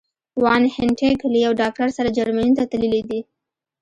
وان هینټیګ له یو ډاکټر سره جرمني ته تللي دي.